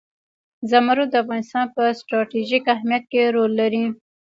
زمرد د افغانستان په ستراتیژیک اهمیت کې رول لري.